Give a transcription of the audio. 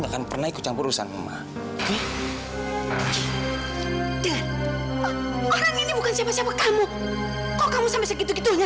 sampai jumpa di video selanjutnya